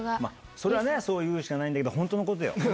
それはね、そう言うしかないんだけど、本当のことよ。